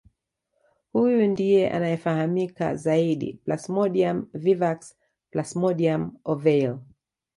Huyu ndiye anayefahamika zaidi Plasmodium vivax Plasmodium ovale